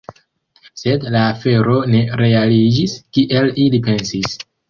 Sed, la afero ne realiĝis kiel ili pensis.